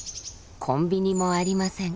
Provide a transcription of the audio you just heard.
コンビニもありません。